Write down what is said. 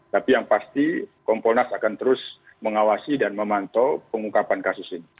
tapi yang pasti kompolnas akan terus mengawasi dan memantau pengungkapan kasus ini